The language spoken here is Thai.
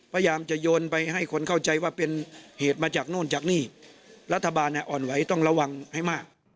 พยายามจะโยนไปให้คนเข้าใจว่าเป็นเหตุมาจากโน่นจากนี่รัฐบาลอ่อนไหวต้องระวังให้มาก